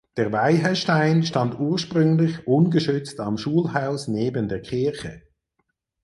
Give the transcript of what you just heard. Der Weihestein stand ursprünglich ungeschützt am Schulhaus neben der Kirche.